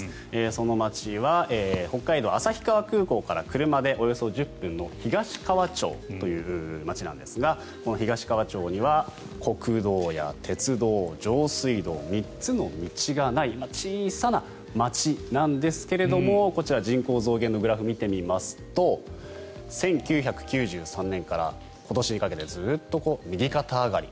その町は北海道・旭川空港から車でおよそ１０分の東川町という町なんですがこの東川町には国道や鉄道、上水道３つの道がない小さな町なんですけれどもこちら人口増減のグラフを見てみますと１９９３年から今年にかけてずっと右肩上がり。